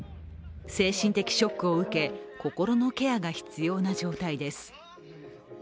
精神的ショックを受け心のケアが必要な状態です。